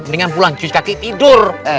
dengan pulang cuci kaki tidur